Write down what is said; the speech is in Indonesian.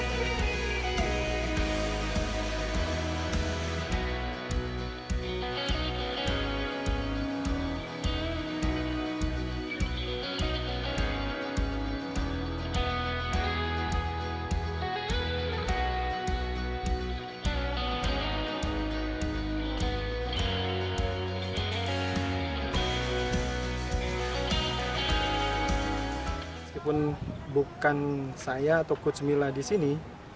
meskipun bukan saya atau coach mila disini